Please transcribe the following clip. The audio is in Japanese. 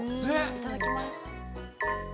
いただきます。